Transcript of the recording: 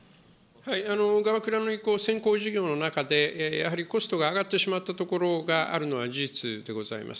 ガバクラの移行、先行事業の中で、やはりコストが上がってしまった所があるのは事実でございます。